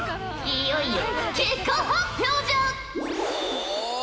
いよいよ結果発表じゃ！